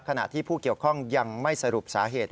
ขณะที่ผู้เกี่ยวข้องยังไม่สรุปสาเหตุ